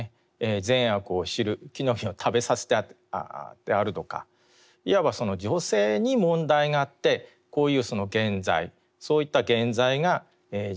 善悪を知る木の実を食べさせたであるとかいわばその女性に問題があってこういう原罪そういった原罪が人類にですね